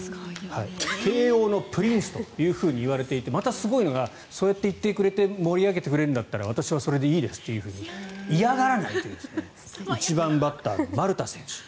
慶応のプリンスといわれていてまたすごいのがそうやって言ってくれて盛り上げてくれるなら私はそれでいいですと嫌がらないという１番バッターの丸田選手。